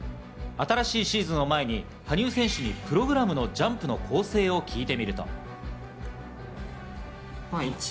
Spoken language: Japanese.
新しいシーズンを前に羽生選手にプログラムのジャンプの構成を聞いてみると。